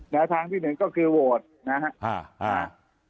แนวทางที่หนึ่งก็คือโหวตนะครับ